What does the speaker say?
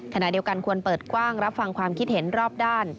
ขณะเดียวกันควรเปิดกว้างรับฟังความคิดเห็นรอบด้าน